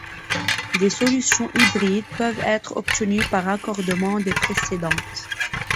Des solutions hybrides peuvent être obtenues par raccordement des précédentes.